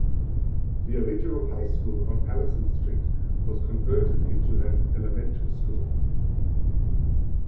The original high school on Allison Street was converted into an elementary school.